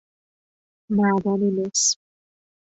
معدن مس